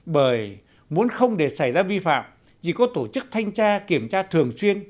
bởi muốn không để xảy ra vi phạm chỉ có tổ chức thanh tra kiểm tra thường xuyên